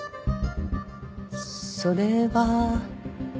それは。